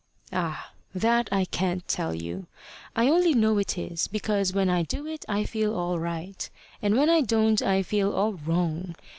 "Ah, that I can't tell you. I only know it is, because when I do it I feel all right, and when I don't I feel all wrong.